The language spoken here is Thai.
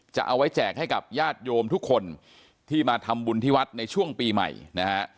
จะเอาไว้แจกให้กับญาติโยมทุกคนที่มาทำบุญที่วัดในช่วงปีใหม่นะฮะ